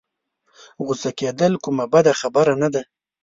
غوسه کېدل کومه بده خبره نه ده.